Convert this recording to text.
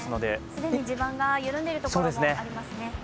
既に地盤が緩んでいるところもありますね。